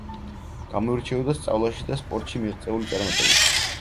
გამოირჩეოდა სწავლაში და სპორტში მიღწეული წარმატებებით.